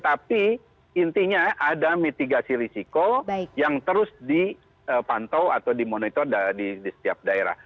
tapi intinya ada mitigasi risiko yang terus dipantau atau dimonitor di setiap daerah